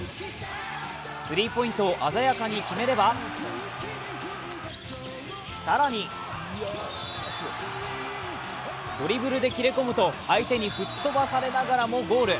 スリーポイントを鮮やかに決めれば、更にドリブルで切れ込むと相手に吹っ飛ばされながらもゴール。